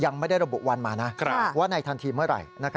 ยังไม่ได้ระบุวันมานะว่าในทันทีเมื่อไหร่